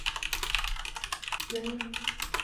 湖南人。